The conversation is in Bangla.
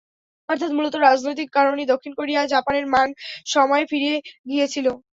অর্থাৎ মূলত রাজনৈতিক কারণেই দক্ষিণ কোরিয়া জাপানের মান সময়ে ফিরে গিয়েছিল।